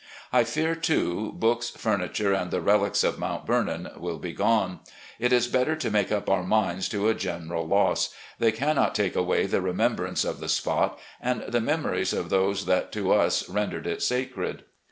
I fear, too, books, furniture, and the relics of Mount Vernon will be gone. It is better to make up our minds to a general loss. They cannot take away the remembrance of the spot, and the memories of those that to us rendered it sacred.